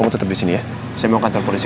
kamu tetep disini ya saya mau kantor polisi